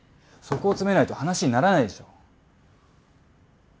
そこを詰めないと話にならないでしょう。